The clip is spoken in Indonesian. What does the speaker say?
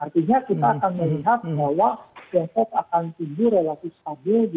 artinya kita akan melihat bahwa tiongkok akan tumbuh relatif stabil